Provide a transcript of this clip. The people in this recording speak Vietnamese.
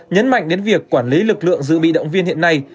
nhấn mạnh đến việc quản lý lực lượng dự bị động viên hiện nay